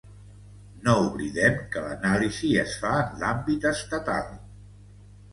No oblidem que l’anàlisi es fa en l’àmbit estatal.